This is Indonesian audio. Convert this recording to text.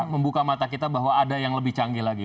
membuka mata kita bahwa ada yang lebih canggih lagi